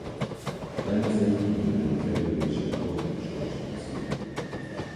Lemezeik időrendi fejlődése logikus konstrukció.